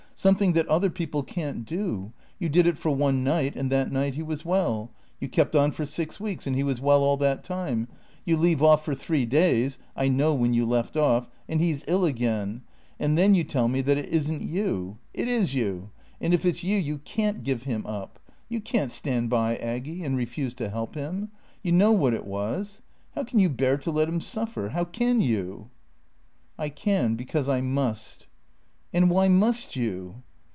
Something that other people can't do. You did it for one night, and that night he was well. You kept on for six weeks and he was well all that time. You leave off for three days I know when you left off and he's ill again. And then you tell me that it isn't you. It is you; and if it's you you can't give him up. You can't stand by, Aggy, and refuse to help him. You know what it was. How can you bear to let him suffer? How can you?" "I can because I must." "And why must you?"